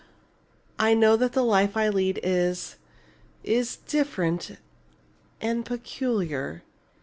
I know that the life I lead is is different and peculiar.